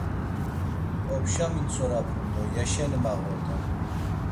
Opşa mintzorapun do yeşeni mağoden.